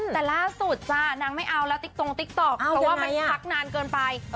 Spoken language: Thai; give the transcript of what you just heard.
แต่ล่าสุดจ้ะนางไม่เอาแล้วติ๊กตรงติ๊กต๊อกเพราะว่ามันพักนานเกินไป